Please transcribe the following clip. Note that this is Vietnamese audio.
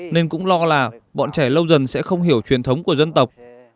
nên cũng lo là bọn trẻ lâu dần sẽ không hiểu truyền thống của dân tộc